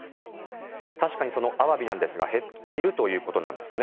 確かにそのアワビなんですが減っているということなんですね。